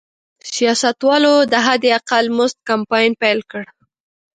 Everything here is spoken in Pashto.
سیاستوالو د حداقل مزد کمپاین پیل کړ.